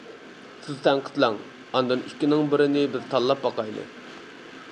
سىز تەنقىدلەڭ، ئاندىن ئىككىنىڭ بىرىنى بىز تاللاپ باقايلى.